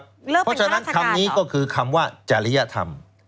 เพราะฉะนั้นคำนี้ก็คือคำว่าจริยธรรม